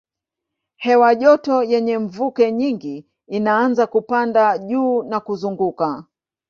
Hewa joto yenye mvuke nyingi inaanza kupanda juu na kuzunguka.